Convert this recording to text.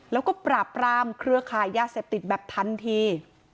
แล้วก็ปราบรามเครือขายยาเสพติดแบบทันที